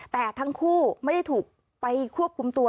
แต่ทั้งคู่ไม่ได้ถูกไปควบคุมตัว